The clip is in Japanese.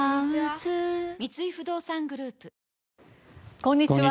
こんにちは。